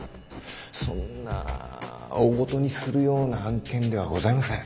そんな大ごとにするような案件ではございません。